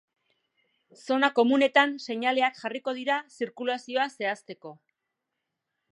Zona komunetan seinaleak jarriko dira zirkulazioa zehazteko.